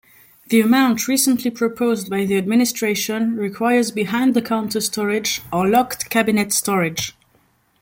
The amount recently proposed by the Administration requires behind-the-counter storage or locked cabinet storage.